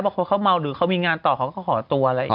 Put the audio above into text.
บอกความเขาเมาหรือเขามีงานต่อคอขอตัวอะไรอีก